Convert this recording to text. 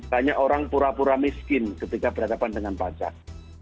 banyak orang pura pura miskin ketika berhadapan dengan pajak